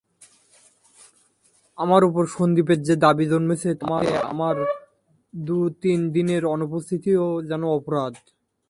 আমার উপর সন্দীপের যে দাবি জন্মেছে তাতে আমার দু-তিন দিনের অনুপস্থিতিও যেন অপরাধ।